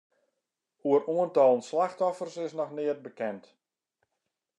Oer oantallen slachtoffers is noch neat bekend.